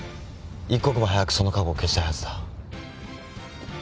一刻も早くその過去を消したいはずだ。